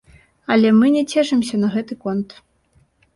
Але мы не цешымся на гэты конт.